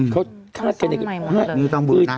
เขาทาดกันอีก๕นี่ต้องบุหรณะ